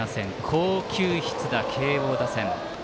好球必打、慶応打線。